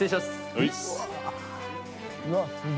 はい。